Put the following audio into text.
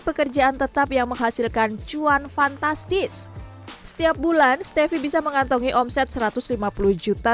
pekerjaan tetap yang menghasilkan cuan fantastis setiap bulan stefi bisa mengantongi omset satu ratus lima puluh juta